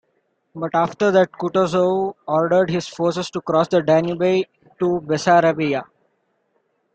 But after that Kutuzov ordered his forces to cross the Danube to Bessarabia.